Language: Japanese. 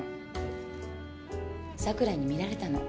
桜に見られたの。